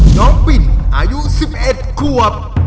น้องปิ่นอายุ๑๑ควบ